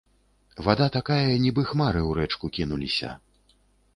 Вада такая, нібы хмары ў рэчку кінуліся.